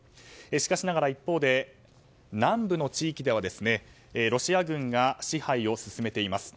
しかしながら一方で、南部の地域ではロシア軍が支配を進めています。